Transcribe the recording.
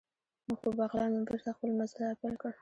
مخ په بغلان مو بېرته خپل مزل را پیل کړ.